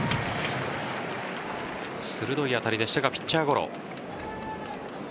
鋭い当たりでしたがピッチャーゴロ。